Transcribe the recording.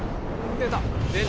出た！